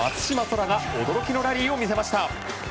空が驚きのラリーを見せました。